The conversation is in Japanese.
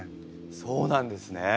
そうなんですね。